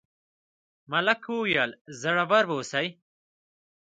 ملک وویل زړور اوسئ.